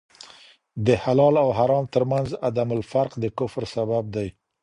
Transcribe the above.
د حلال اوحرام تر منځ عدم الفرق د کفر سبب دی.